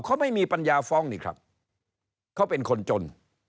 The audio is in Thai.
เขาไม่มีปัญญาฟ้องนี่ครับเขาเป็นคนจน